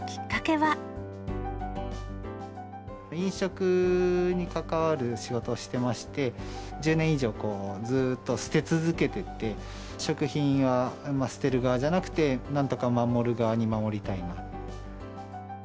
飲食に関わる仕事をしてまして、１０年以上、ずっと捨て続けてて、食品を捨てる側じゃなくて、なんとか守る側に回りたいなと。